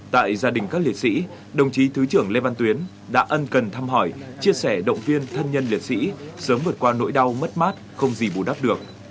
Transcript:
tại gia đình các liệt sĩ đồng chí thứ trưởng lê văn tuyến đã ân cần thăm hỏi chia sẻ động viên thân nhân liệt sĩ sớm vượt qua nỗi đau mất mát không gì bù đắp được